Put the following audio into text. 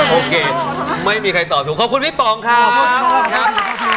โอเคไม่มีใครตอบถูกขอบคุณพี่ป๋องครับ